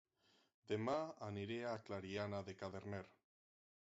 Dema aniré a Clariana de Cardener